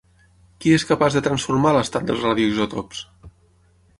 Qui és capaç de transformar l'estat dels radioisòtops?